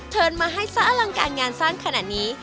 เธอนมาให้สร้างการงานสร้างขนาดนี้